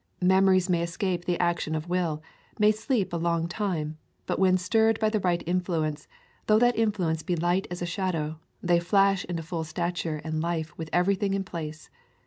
Memories may escape the action of will, may sleep a long time, but when stirred by the right influence, though that influence be light as a shadow, they flash into full stature and life with everything in place.